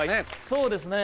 そうですね。